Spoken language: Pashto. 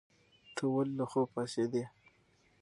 ته ولې له خوبه پاڅېدې؟